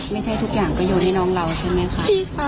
ทุกอย่างก็โยนให้น้องเราใช่ไหมคะ